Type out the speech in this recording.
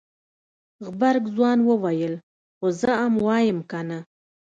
غبرګ ځوان وويل خو زه ام وايم کنه.